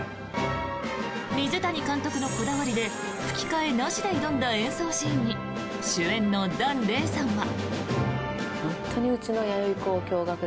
水谷監督のこだわりで吹き替えなしで挑んだ演奏シーンに主演の檀れいさんは。